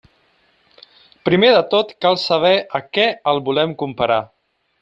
Primer de tot cal saber a què el volem comparar.